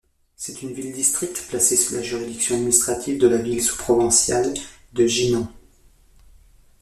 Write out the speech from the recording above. C'est une ville-district placée sous la juridiction administrative de la ville sous-provinciale de Jinan.